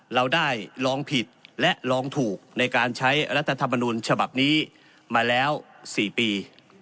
เราได้ลองผิดและลองถูกในการใช้รัฐธรรมนูญฉบับนี้มาแล้ว๔ปี